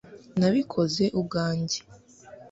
nabikoze ubwanjye